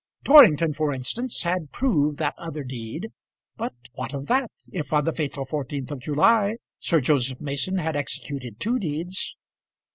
Torrington, for instance, had proved that other deed; but what of that, if on the fatal 14th of July Sir Joseph Mason had executed two deeds?